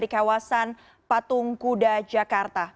kawasan patung kuda jakarta